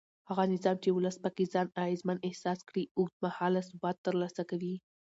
هغه نظام چې ولس پکې ځان اغېزمن احساس کړي اوږد مهاله ثبات ترلاسه کوي